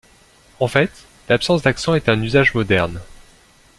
En fait, l'absence d'accent est un usage moderne.